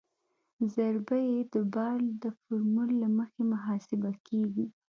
ضربه یي بار د فورمول له مخې محاسبه کیږي